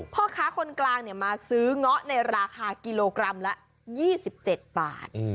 พ่อค้าคนกลางมาซื้อเงาะในราคากิโลกรัมละ๒๗บาท